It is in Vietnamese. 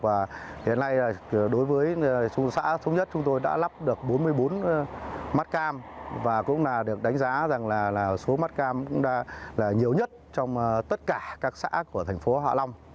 và hiện nay đối với xã thống nhất chúng tôi đã lắp được bốn mươi bốn mắt cam và cũng là được đánh giá rằng là số mắt cam cũng là nhiều nhất trong tất cả các xã của thành phố hạ long